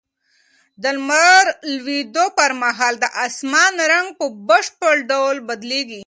د لمر لوېدو پر مهال د اسمان رنګ په بشپړ ډول بدلېږي.